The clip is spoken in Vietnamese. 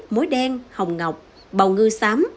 mối đen hồng ngọc bầu ngư xám